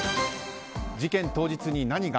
事件当日に何が。